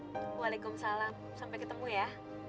waalaikumsalam sampe ketemu ya